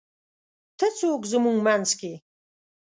که څوک زمونږ مينځ کې :